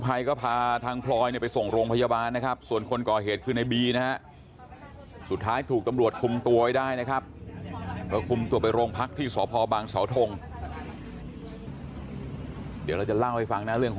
แล้วทีที่สองเข้ามาติดอีกแล้วเนี่ยค่ะกล่องกามก็หักข้างในค่ะหมดเลยค่ะ